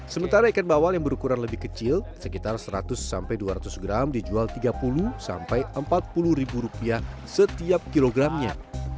sementara ikan bawal yang berukuran lebih kecil sekitar seratus dua ratus gram dijual rp tiga puluh rp empat puluh setiap kilogramnya